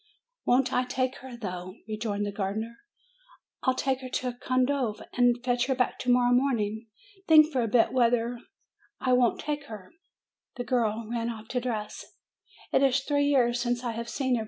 "Won't I take her, though!" rejoined the gardener. "Fll take her to Condove, and fetch her back to morrow morning. Think for a bit whether I won't take her !" The girl ran off to dress. "It is three years since I have seen her!"